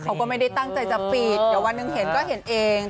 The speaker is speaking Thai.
เขาก็ไม่ได้ตั้งใจจะปิดเดี๋ยววันหนึ่งเห็นก็เห็นเอง